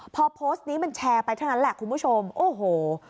พอโพสต์นี้มันแชร์ไปเท่านั้นแหละคุณผู้ชมโอ้โห